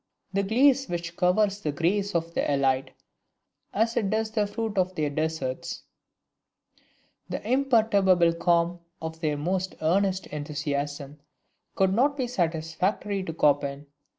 The GLACE which covers the grace of the ELITE, as it does the fruit of their desserts; the imperturbable calm of their most earnest enthusiasm, could not be satisfactory to Chopin.